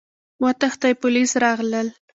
وتښتئ! پوليس راغلل!